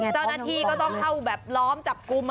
เจ้าหน้าที่ก็ต้องเข้าแบบล้อมจับกลุ่ม